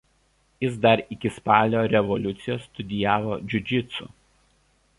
Jis dar iki Spalio revoliucijos studijavo džiudžitsu.